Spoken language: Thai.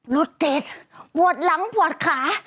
รถติดปวดหลังปวดขา